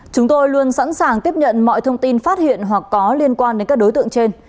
chúng tôi luôn sẵn sàng tiếp nhận mọi thông tin phát hiện hoặc có liên quan đến các đối tượng trên